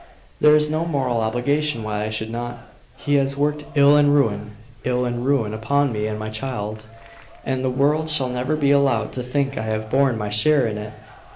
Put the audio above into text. "There is no moral obligation why I should not. He has worked ill and ruin ill and ruin upon me and my child, and the world shall never be allowed to think I have borne my share in it.